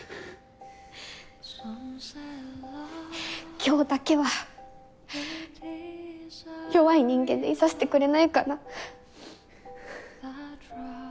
今日だけは弱い人間でいさしてくれないかな。